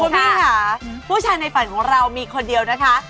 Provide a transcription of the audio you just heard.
คุณพี่ค่ะผู้ชายในฝันของเรามีคนเดียวนะคะ